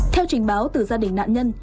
theo trình báo từ gia đình nạn nhân